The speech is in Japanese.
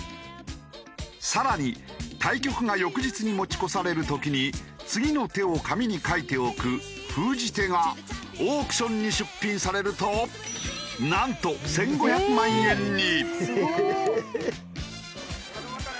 更に対局が翌日に持ち越される時に次の手を紙に書いておく封じ手がオークションに出品されるとなんと１５００万円に！